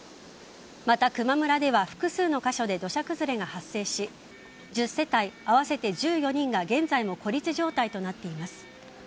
また、球磨村では複数の箇所で土砂崩れが発生し１０世帯合わせて１４人が現在も孤立状態となっています。